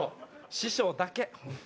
師匠だけ。